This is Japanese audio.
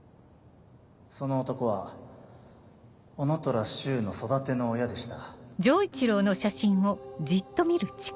その男は男虎柊の育ての親でした。